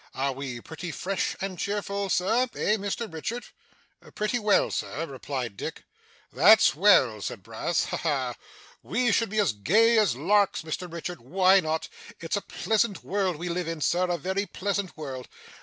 Are we pretty fresh and cheerful sir eh, Mr Richard?' 'Pretty well, sir,' replied Dick. 'That's well,' said Brass. 'Ha ha! We should be as gay as larks, Mr Richard why not? It's a pleasant world we live in sir, a very pleasant world.